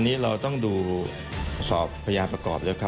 มีความรู้สึกว่ามีความรู้สึกว่า